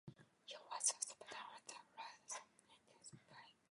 He was also a patron of the arts and an interesting poet.